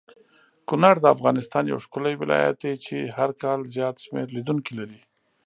کونړ دافغانستان یو ښکلی ولایت دی چی هرکال زیات شمیر لیدونکې لری